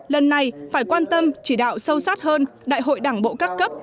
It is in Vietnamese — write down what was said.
lần này phải quan tâm chỉ đạo sâu sát hơn đại hội đảng bộ các cấp